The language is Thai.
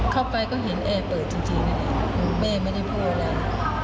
เข้าไปก็เห็นแอร์เปิดจริงแม่ไม่ได้พูดอะไร